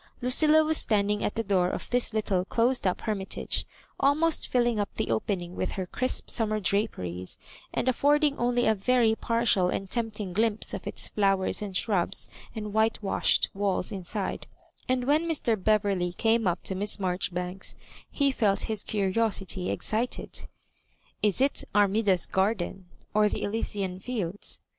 Lucilla was standing at the door of this little closed up her mitage, alnK>8t filling up the opening with her crisp summer draperies, and affording only a very partial and tempting glimpse of its flowers and shrubs and whitewashed walls inside; and when Mr. Beverley came up to Miss Maijori banks he felt his curiosity excited. »* Is it Armi da*s garden, or the Elysian fields?"